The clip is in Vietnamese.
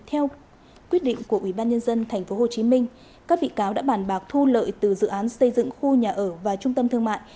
theo quyết định của ubnd tp hcm các bị cáo đã bản bạc thu lợi từ dự án xây dựng khu nhà ở và trung tâm thương mại